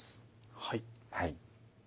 はい。